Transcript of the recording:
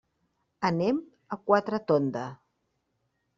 Anem a Quatretonda.